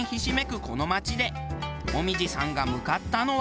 この街で紅葉さんが向かったのは。